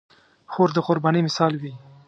خور د قربانۍ مثال وي.